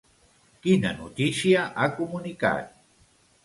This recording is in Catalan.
Quina notícia ha comunicat?